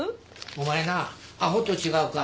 お前なアホと違うか？